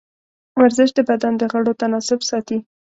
ورزش د بدن د غړو تناسب ساتي.